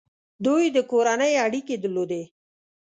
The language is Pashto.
دوی د کورنۍ اړیکې درلودې.